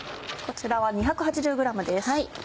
こちらは２８０ｇです。